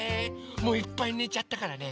もういっぱいねちゃったからね